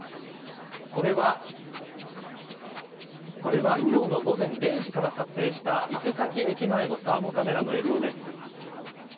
これは今日の午前０時から撮影した伊勢崎駅前のサーモカメラの映像です。